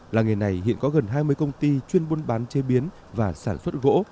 làng nghề này hiện có gần hai mươi công ty chuyên buôn bán chế biến và sản xuất gỗ